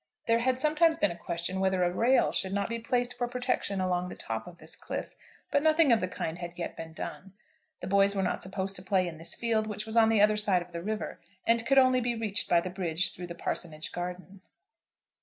There had sometimes been a question whether a rail should not be placed for protection along the top of this cliff, but nothing of the kind had yet been done. The boys were not supposed to play in this field, which was on the other side of the river, and could only be reached by the bridge through the parsonage garden.